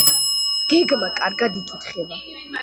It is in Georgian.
გეგმა კარგად იკითხება.